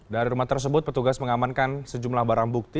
dari rumah tersebut petugas mengamankan sejumlah barang bukti